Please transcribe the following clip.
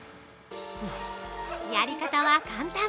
◆やり方は簡単。